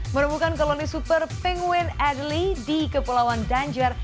menemukan koloni super penguin adelie di kepulauan danjar